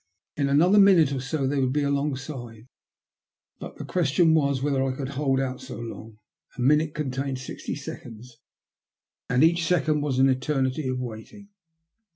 In another minute or so they would be alongside, but the question was whether I could hold out so long. A minute contained sixty seconds, and each second was an eternity of waiting.